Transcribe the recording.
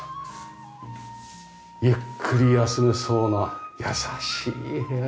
ゆっくり休めそうな優しい部屋ですね。